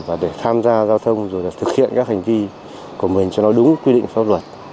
và để tham gia giao thông rồi là thực hiện các hành vi của mình cho nó đúng quy định pháp luật